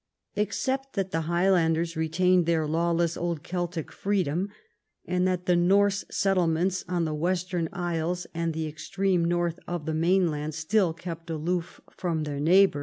Except that the Highlanders retained their lawless old Celtic freedom, and that the Norse settlements, on the Western Isles and the extreme north of the mainland, still kept aloof from their neighbours, CHAP.